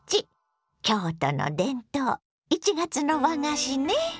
京都の伝統１月の和菓子ね。